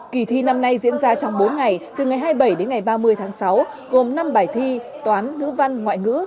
kỳ thi năm nay diễn ra trong bốn ngày từ ngày hai mươi bảy đến ngày ba mươi tháng sáu gồm năm bài thi toán ngữ văn ngoại ngữ